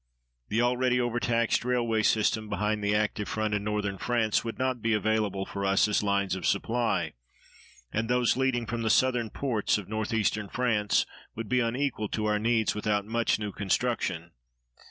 The already overtaxed railway system behind the active front in Northern France would not be available for us as lines of supply, and those leading from the southern ports of Northeastern France would be unequal to our needs without much new construction.